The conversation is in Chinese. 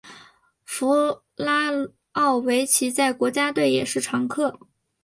弗拉奥维奇在国家队也是常客。